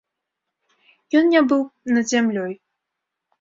Ён не быў над зямлёй.